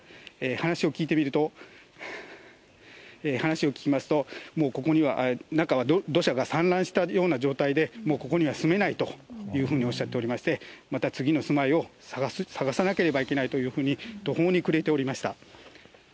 話を聞いてみると、話を聞きますと、もうここには、中には土砂が散乱したような状態で、もうここには住めないというふうにおっしゃっておりまして、また、次の住まいを探さなければいけないというふうに、途方に暮れておりました。